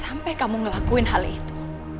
sampai kamu ngelakuin hal itu